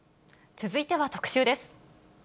続いては特集です。